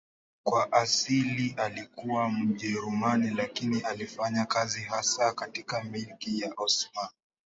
Kwa asili alikuwa Mjerumani lakini alifanya kazi hasa katika Milki ya Osmani.